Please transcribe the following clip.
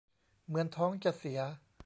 เหมือนท้องจะเสีย